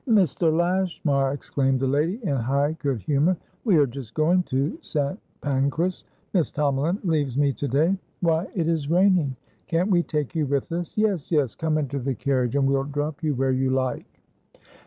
"Mr. Lashmar!" exclaimed the lady, in high good humour. "We are just going to St. Pancras. Miss Tomalin leaves me to day. Why, it is raining! Can't we take you with us? Yes, yes, come into the carriage, and we'll drop you where you like."